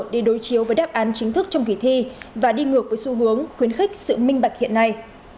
đi đối chiếu với đáp án chính thức trong kỳ thi và đi ngược với xu hướng khuyến khích sự minh bạch hiện nay